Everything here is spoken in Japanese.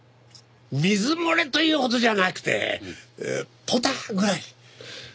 水漏れというほどじゃなくてポタッぐらい。